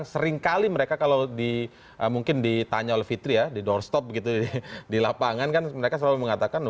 sekarang seringkali mereka kalau ditanya oleh fitri di doorstop di lapangan mereka selalu mengatakan